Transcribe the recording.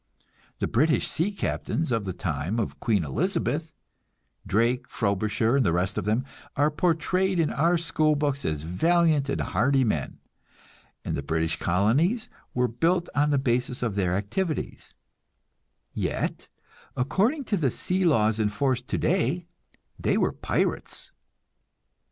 The British sea captains of the time of Queen Elizabeth Drake, Frobisher, and the rest of them are portrayed in our school books as valiant and hardy men, and the British colonies were built on the basis of their activities; yet, according to the sea laws in force today, they were pirates.